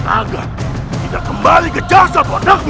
agar tidak kembali ke jasad wadahmu